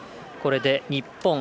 これで日本